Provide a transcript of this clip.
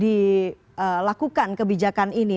dilakukan kebijakan ini